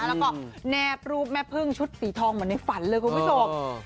แล้วก็แนบรูปแม่พึ่งชุดสีทองเหมือนในฝันเลยคุณผู้ชม